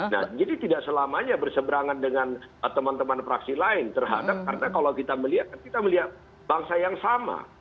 nah jadi tidak selamanya berseberangan dengan teman teman fraksi lain terhadap karena kalau kita melihat kan kita melihat bangsa yang sama